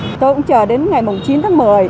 tôi cũng chờ đến ngày chín tháng một mươi